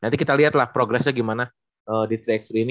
nanti kita lihat lah progressnya gimana di tiga x tiga ini